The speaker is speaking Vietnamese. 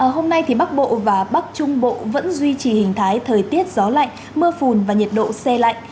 hôm nay bắc bộ và bắc trung bộ vẫn duy trì hình thái thời tiết gió lạnh mưa phùn và nhiệt độ xe lạnh